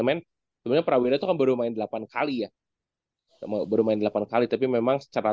sebenarnya prawira itu kan baru main delapan kali ya bermain delapan kali tapi memang secara